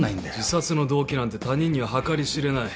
自殺の動機なんて他人には計り知れない。